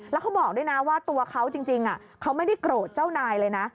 แล้วเขาบอกด้วยนะว่าตัวเขาจริงเขาไม่ได้โกรธเจ้านายเลยนะ